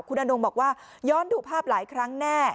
คุณอนงบอกว่าย้อนดูภาพหลายครั้งแน่